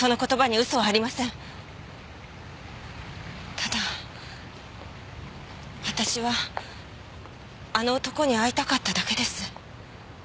ただ私はあの男に会いたかっただけです。